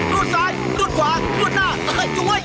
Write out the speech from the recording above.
รวดซ้ายรวดขวารวดหน้า